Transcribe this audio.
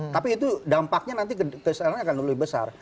tapi itu dampaknya nanti kesalahannya akan lebih besar